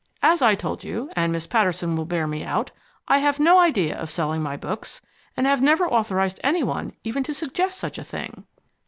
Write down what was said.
As I told you, and Miss Patterson will bear me out, I have no idea of selling my books, and have never authorized any one even to suggest such a thing."